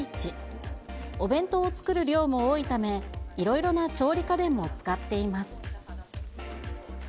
お弁当を作る量も多いため、いろいろな調理家電も使っています。